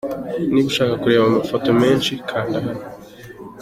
Niba ushaka kureba amafoto menshi, kanda hano:.